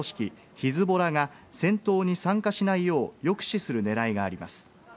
ヒズボラが戦闘に参加しないよう抑止する狙いがあります。